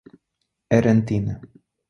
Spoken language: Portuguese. Arantina